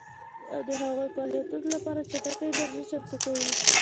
او د هغو فعالیتونو لپاره چټکه انرژي چمتو کوي